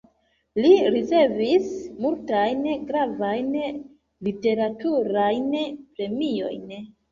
Li ricevis multajn gravajn literaturajn premiojn.